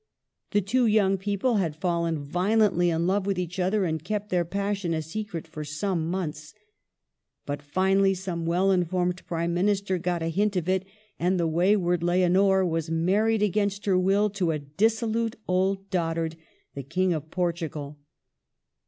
The two young people had fallen violently in love with each other, and kept their passion a secret for some months. But finally some well informed Prime Minister got a hint of it, and the wayward Leonor was married against her will to a dissolute old dotard, the King of Portugal.